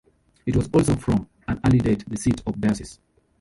It was also from an early date the seat of a diocese.